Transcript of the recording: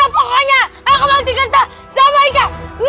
pokoknya aku masih kesal sama aika